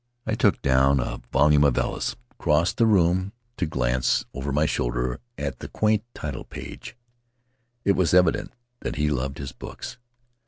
I took down a volume of Ellis; Tari crossed the room to glance over my shoulder at the quaint title page — it was evident that he loved his books.